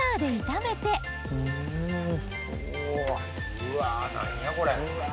うわ何やこれ。